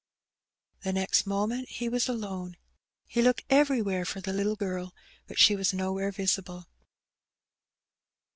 The next moment he was alone. He looked everywhere for the little girl, but she was nowhere visible.